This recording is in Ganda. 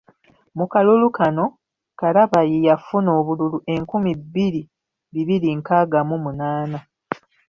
Mu kalulu kano, Karabayi yafuna obululu enkumi bbiri bibiri nkaaga mu muaaga.